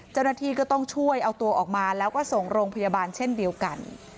เจ้าหน้าที่ก็ต้องช่วยเอาตัวออกมาแล้วก็ส่งโรงพยาบาลเช่นเดียวกัน